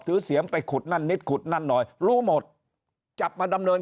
เสียมไปขุดนั่นนิดขุดนั่นหน่อยรู้หมดจับมาดำเนิน